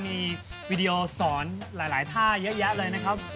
มีวีดีโอสอนหลายท่าเยอะแยะเลยนะครับ